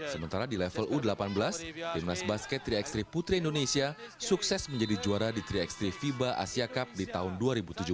sementara di level u delapan belas timnas basket tiga x tiga putri indonesia sukses menjadi juara di tiga x tiga fiba asia cup di tahun dua ribu tujuh belas